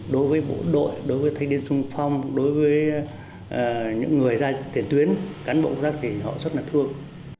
đối với những người ra tiền tuyến cán bộ ra thì họ rất là thương